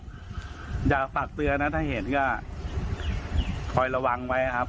ก็อยากฝากเตือนนะถ้าเห็นก็คอยระวังไว้ครับ